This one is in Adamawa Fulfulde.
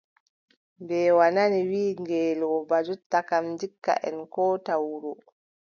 Mbeewa nani wiʼi ngeelooba jonta kam, ndikka en koota wuro.